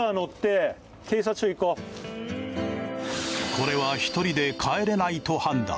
これは１人で帰れないと判断。